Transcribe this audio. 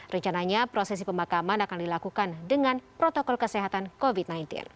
rencananya prosesi pemakaman akan dilakukan dengan protokol kesehatan covid sembilan belas